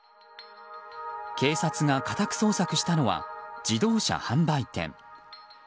警察が家宅捜索したのは自動車販売店。